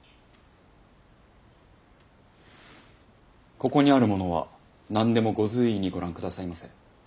ここにあるものは何でもご随意にご覧下さいませ。